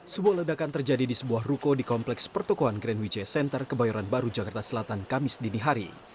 sebuah ledakan terjadi di sebuah ruko di kompleks pertokohan grand wijaya center kebayoran baru jakarta selatan kamis dinihari